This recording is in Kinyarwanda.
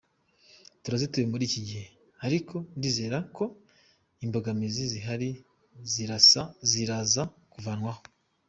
Turazitiwe muri iki gihe, ariko ndizerako imbogamizi zihari ziraza kuvanwaho.